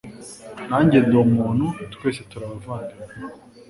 Nanjye ndi umuntu, twese turi abavandimwe.